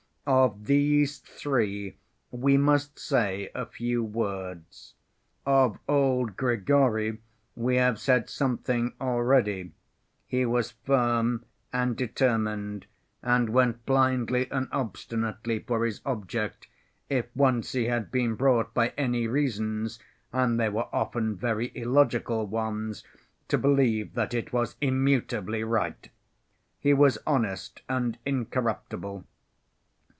Of these three we must say a few words. Of old Grigory we have said something already. He was firm and determined and went blindly and obstinately for his object, if once he had been brought by any reasons (and they were often very illogical ones) to believe that it was immutably right. He was honest and incorruptible.